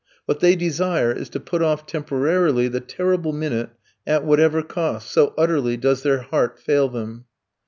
What they desire is to put off temporarily the terrible minute at whatever cost, so utterly does their heart fail them.